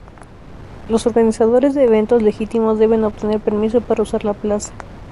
Los organizadores de eventos legítimos deben obtener permiso para usar la plaza.